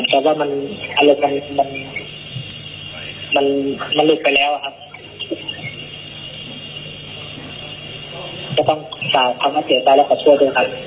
ก็ต้องกลับมาเจอตายแล้วก็ช่วยด้วยครับ